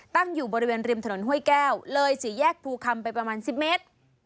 ตั้งอยู่บริเวณริมถนนห้วยแก้วเลยสี่แยกภูคำไปประมาณ๑๐เมตร